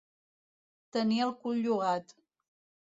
Tenir el cul llogat.